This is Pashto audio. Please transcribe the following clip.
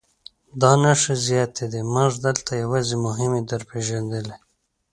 دا نښې زیاتې دي موږ دلته یوازې مهمې در وپېژندلې.